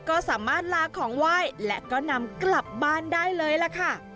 ก็สามารถลาของไหว้และก็นำกลับบ้านได้เลยล่ะค่ะ